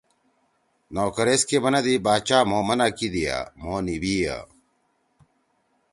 نوکر ایس کے بنَدی باچا مھو منع کی دیا مھو نی بیا۔